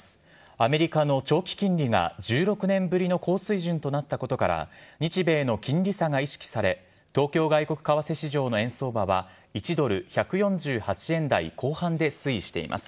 アメリカの長期金利が１６年ぶりの高水準となったことから、日米の金利差が意識され、東京外国為替市場の円相場は１ドル１４８円台後半で推移しています。